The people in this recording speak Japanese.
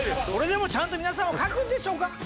それでもちゃんと皆さんは書くんでしょうか？